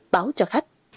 báo cho khách